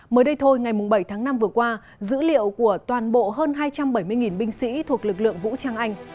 mới đây thôi ngày bảy tháng năm vừa qua dữ liệu của toàn bộ hơn hai trăm bảy mươi binh sĩ thuộc lực lượng vũ trang anh